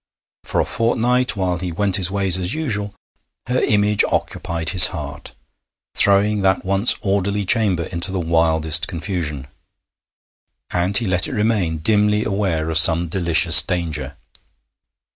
For a fortnight, while he went his ways as usual, her image occupied his heart, throwing that once orderly chamber into the wildest confusion; and he let it remain, dimly aware of some delicious danger.